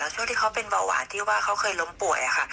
ช่วงที่เขาเป็นเบาหวานที่ว่าเขาเคยล้มป่วยค่ะ